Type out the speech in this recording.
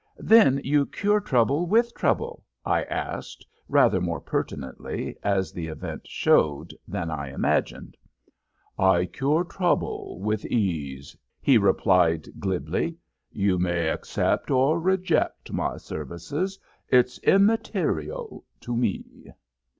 "Then you cure trouble with trouble?" I asked, rather more pertinently, as the event showed, than I imagined. "I cure trouble with ease," he replied glibly. "You may accept or reject my services. It's immaterial to me."